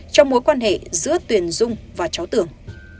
trong mối quan hệ giữa tuyền dung và cháu tưởng